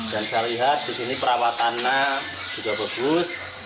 dan saya lihat di sini perawatannya juga bagus